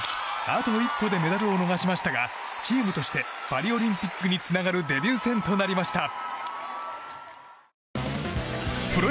あと一歩でメダルを逃しましたがチームとしてパリオリンピックにつながるデビュー戦となりました。